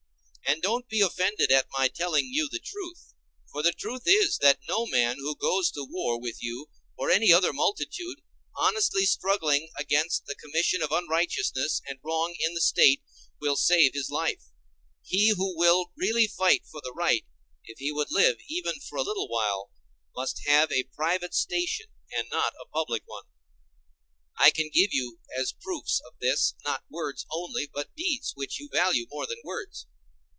And don't be offended at my telling you the truth: for the truth is that no man who goes to war with you or any other multitude, honestly struggling against the commission of unrighteousness and wrong in the State, will save his life; he who will really fight for the right, if he would live even for a little while, must have a private station and not a public one.I can give you as proofs of this, not words only, but deeds, which you value more than words.